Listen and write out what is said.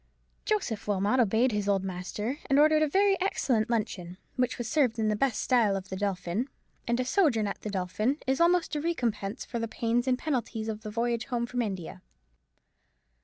Joseph Wilmot obeyed his old master, and ordered a very excellent luncheon, which was served in the best style of the Dolphin; and a sojourn at the Dolphin is almost a recompense for the pains and penalties of the voyage home from India.